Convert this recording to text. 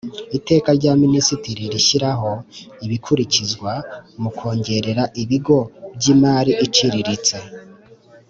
Iteka rya minisitiri rishyiraho ibikurikizwa mu kongerera ibigo by imari iciriritse